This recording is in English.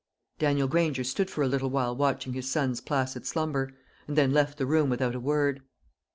Daniel Granger stood for a little while watching his son's placid slumber, and then left the room without a word.